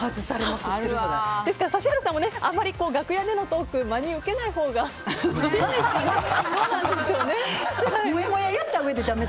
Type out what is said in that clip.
ですから指原さんもあまり楽屋でのトークは真に受けないほうがどうなんでしょうね。